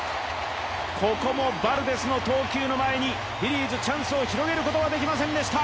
ここもバルデスの投球の前にフィリーズ、チャンスを広げることができませんでした。